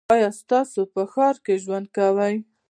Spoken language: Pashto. ایا تاسو په ښار کې ژوند کوی؟